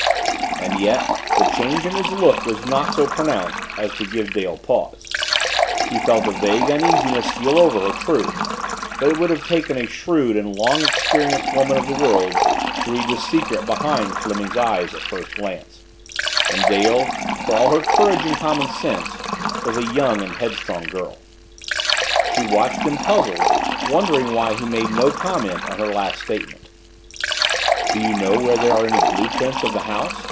And yet, the change in his look was not so pronounced as to give Dale pause she felt a vague uneasiness steal over her, true but it would have taken a shrewd and long experienced woman of the world to read the secret behind Fleming's eyes at first glance and Dale, for all her courage and common sense, was a young and headstrong girl. She watched him, puzzled, wondering why he made no comment on her last statement. "Do you know where there are any blue prints of the house?"